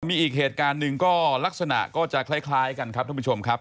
มีอีกเหตุการณ์หนึ่งก็ลักษณะก็จะคล้ายกันครับท่านผู้ชมครับ